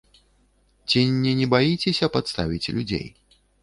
Ці не не баіцеся падставіць людзей?